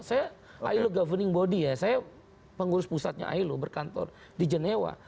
saya ailo governing body ya saya pengurus pusatnya ailo berkantor di jenewa